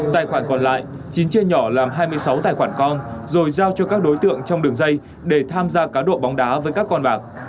tài khoản còn lại chín chia nhỏ làm hai mươi sáu tài khoản con rồi giao cho các đối tượng trong đường dây để tham gia cá độ bóng đá với các con bạc